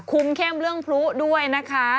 คุ้มเข้มเรื่องฟรุ๊วด้วยนะค่ะ